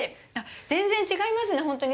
全然違いますね、本当に。